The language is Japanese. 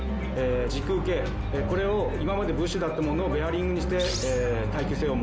軸受けこれを今までブッシュだったものをベアリングして耐久性を持たせます。